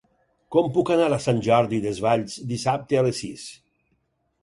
Com puc anar a Sant Jordi Desvalls dissabte a les sis?